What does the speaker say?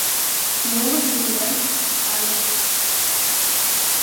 «Мо гын лийын?» — кайыш уш.